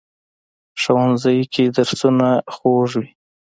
ښوونځی کې درسونه خوږ وي